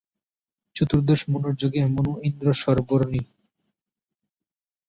চতুর্দশ মনুর যুগে, মনু ইন্দ্র-সর্বর্ণী।